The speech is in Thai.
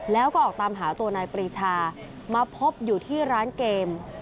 แล้วก็ออกตามหาตัวนายปรีชามาพบอยู่ที่ร้านเกม